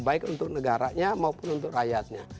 baik untuk negaranya maupun untuk rakyatnya